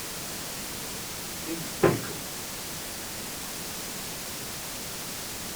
In a pickle